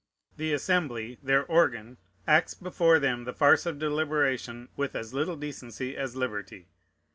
The Assembly, their organ, acts before them the farce of deliberation with as little decency as liberty.